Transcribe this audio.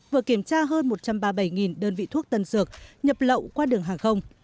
vừa kiểm tra hơn một trăm ba mươi bảy đơn vị thuốc tân dược nhập lậu qua đường hàng không